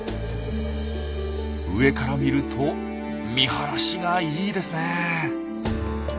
上から見ると見晴らしがいいですね。